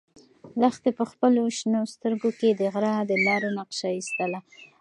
لښتې په خپلو شنه سترګو کې د غره د لارو نقشه ایستله.